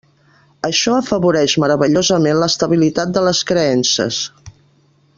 Això afavoreix meravellosament l'estabilitat de les creences.